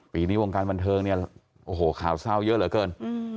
ปีนี้วงการบันเทิงเนี่ยโอ้โหข่าวเศร้าเยอะเหลือเกิน